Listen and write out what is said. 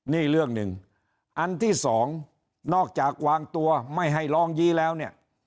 นี่เรื่องหนึ่งอันที่สองนอกจากวางตัวไม่ให้ร้องยี้แล้วเนี่ย